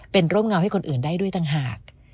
เป็นร่มเงาให้คนอื่นได้ด้วยต่างหาก